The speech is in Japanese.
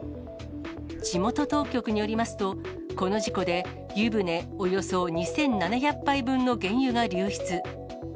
地元当局によりますと、この事故で、湯船およそ２７００杯分の原油が流出。